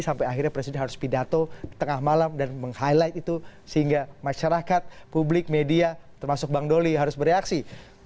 sampai akhirnya presiden harus pidato tengah malam dan meng highlight itu sehingga masyarakat publik media termasuk bang doli harus bereaksi